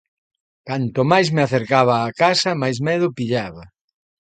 Canto máis me acercaba á casa máis medo pillaba.